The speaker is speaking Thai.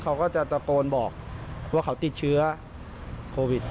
เขาก็จะตะโกนบอกว่าเขาติดเชื้อโควิด